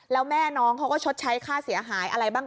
แล้วแม่น้องเขาก็ชดใช้ค่าเสียหายอะไรบ้าง